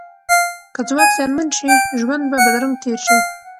که ځواک زیانمن شي، ژوند به بدرنګ تیر شي.